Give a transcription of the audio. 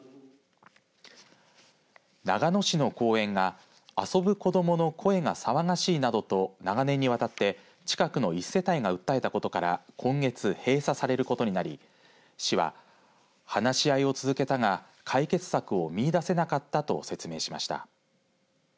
長野市の公園が遊ぶ子どもの声が騒がしいなどと長年にわたって近くの１世帯が訴えたことから今月、閉鎖されることになり市は話し合いを続けたが解決策を見いだせなかったと説明しました。